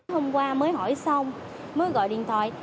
hôm qua mới hỏi xong mới gọi điện thoại